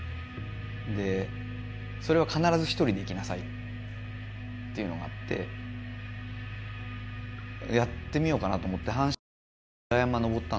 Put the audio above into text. でそれは必ず１人で行きなさいっていうのがあってやってみようかなと思って半信半疑で裏山登ったんですよ。